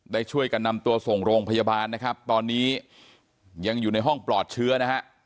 ได้ช่วยกันนำตัวส่งโรงพยาบาลนะครับตอนนี้ยังอยู่ในห้องปลอดเชื้อนะฮะ